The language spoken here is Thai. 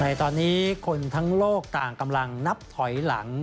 ในตอนนี้คนทั้งโลกต่างกำลังนับถอยหลัง